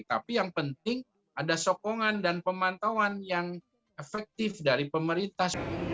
tapi yang penting ada sokongan dan pemantauan yang efektif dari pemerintah